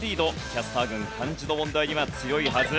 キャスター軍漢字の問題には強いはず。